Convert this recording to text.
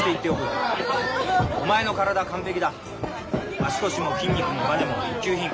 足腰も筋肉もバネも一級品。